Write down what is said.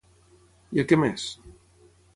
I a què més?